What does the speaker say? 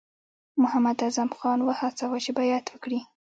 محمداعظم خان وهڅاوه چې بیعت وکړي.